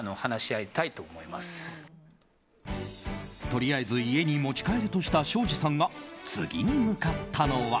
とりあえず家に持ち帰るとした庄司さんが次に向かったのは。